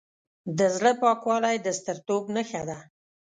د زړه پاکوالی د سترتوب نښه ده.